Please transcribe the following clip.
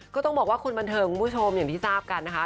ก็ต้องบอกว่าคนบันเทิงคุณผู้ชมอย่างที่ทราบกันนะคะ